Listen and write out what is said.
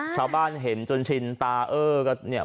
ชาวบ้านเห็นจนชินตาเออก็เนี่ย